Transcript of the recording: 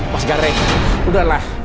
mas gareng udahlah